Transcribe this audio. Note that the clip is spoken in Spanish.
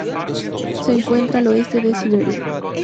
Se encuentra al oeste de Siberia.